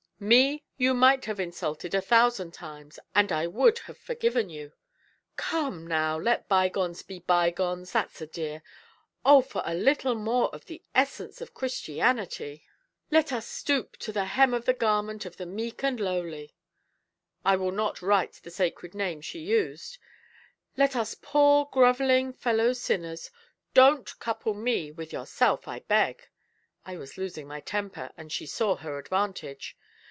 Me you might have insulted a thousand times, and I would have forgiven you." "Come now, let bygones be bygones, that's a dear. Oh for a little more of the essence of Christianity! Let us stoop to the hem of the garment of the meek and lowly" I will not write the sacred name she used "let us poor grovelling fellow sinners " "Don't couple me with yourself, I beg." I was losing my temper, and she saw her advantage.